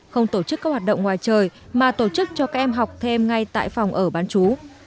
không tổ chức các hoạt động ngoài trời mà tổ chức cho các em học thêm ngay tại phòng ở bán chú